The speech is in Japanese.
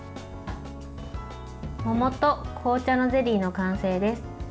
桃と紅茶のゼリーの完成です。